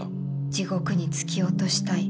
「地獄に突き落としたい」。